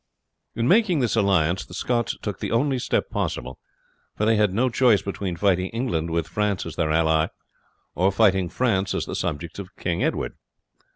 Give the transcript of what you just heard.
In making this alliance the Scots took the only step possible; for they had no choice between fighting England with France as their ally, or fighting France as the subjects of King Edward.